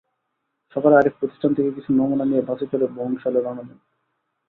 সকালে আরিফ প্রতিষ্ঠান থেকে কিছু নমুনা নিয়ে বাসে চড়ে বংশালে রওনা দেন।